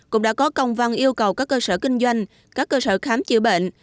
cũng đã có công văn yêu cầu các cơ sở kinh doanh các cơ sở khám chữa bệnh